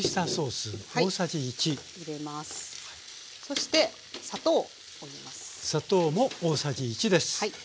そして砂糖を入れます。